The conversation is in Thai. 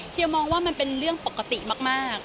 มองว่ามันเป็นเรื่องปกติมาก